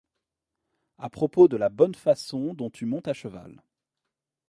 À propos de la bonne façon dont tu montes à cheval.